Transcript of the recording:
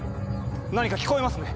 何か聞こえますね。